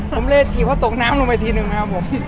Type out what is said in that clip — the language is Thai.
ผมเลยถีบเขาตกน้ำลงไปทีนึงนะครับผม